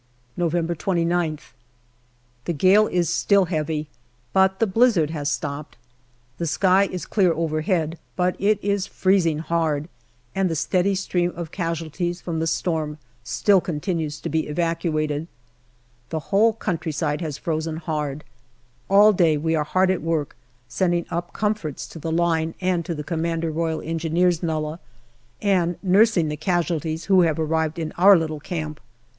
November 29th. The gale is still heavy, but the blizzard has stopped. The sky is clear overhead, but it is freezing hard, and the steady stream of casualties from the storm still continues to be evacuated. The whole country side has frozen hard. All day we are hard at work sending up comforts to the line and to the C.R.E. nullah, and nursing the casualties who have arrived in our little camp.